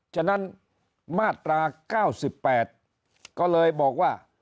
ฉะนั้นมาตรา๙๘ก็เลยบอกว่า